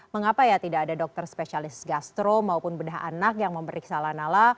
mengapa ya tidak ada dokter spesialis gastro maupun bedah anak yang memeriksa lanala